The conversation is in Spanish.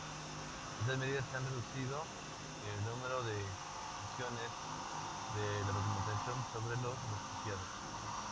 Estas medidas han reducido el número de funciones de la Documentación sobre los Refugiados.